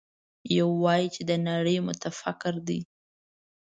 يو وايي چې د نړۍ متفکر دی.